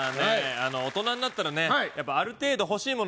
あの大人になったらねやっぱある程度欲しいもの